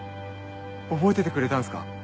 覚えててくれたんすか？